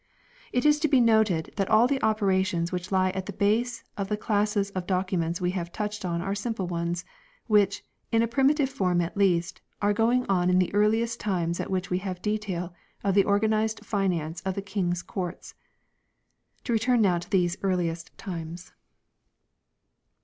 It is to be noted that all the operations which lie at the base of the classes of documents we have touched on are simple ones, which, in a primitive form at least, are going on in the earliest times at which we have details of the organized finance in the King's Courts. To return now to these earliest times.